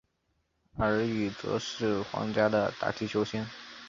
而与则是皇家的打击球星。